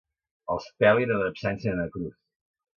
Els pelin en absència de na Cruz.